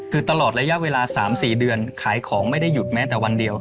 คือตลอดระยะเวลา๓๔เดือนขายของไม่ได้หยุดแม้แต่วันเดียว